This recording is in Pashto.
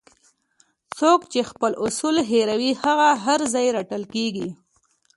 څوک چې خپل اصل هیروي هغه هر ځای رټل کیږي.